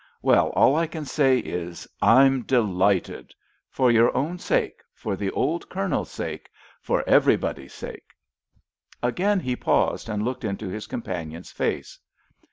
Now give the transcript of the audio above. Well, all I can say is—I'm delighted. For your own sake, for the old Colonel's sake, for everybody's sake!" Again he paused and looked into his companion's face.